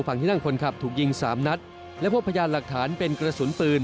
ฝั่งที่นั่งคนขับถูกยิงสามนัดและพบพยานหลักฐานเป็นกระสุนปืน